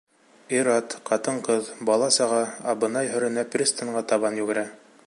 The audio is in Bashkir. Ир-ат, ҡатын-ҡыҙ, бала-саға абына-һөрөнә пристангә табан йүгерә.